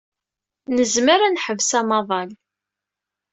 Nezmer ad neḥbes amaḍal.